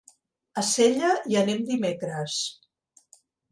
A Sella hi anem dimecres.